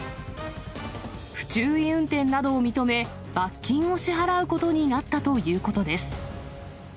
不注意運転などを認め、罰金を支払うことになったということです。